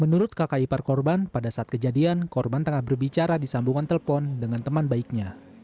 menurut kakak ipar korban pada saat kejadian korban tengah berbicara di sambungan telepon dengan teman baiknya